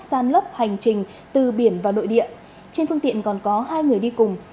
san lấp hành trình từ biển và nội địa trên phương tiện còn có hai người đi cùng